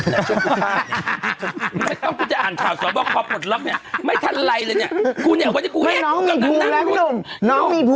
ไม่ต้องกูจะอ่านข่าวสอบว่าขอบพลบเนี้ยไม่ทันไรเลยเนี้ย